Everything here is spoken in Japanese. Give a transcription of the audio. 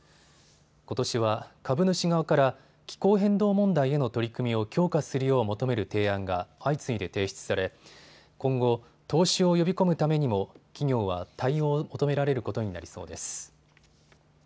ことしは株主側から気候変動問題への取り組みを強化するよう求める提案が相次いで提出され今後、投資を呼び込むためにも企業は対応を求められることになりそうです。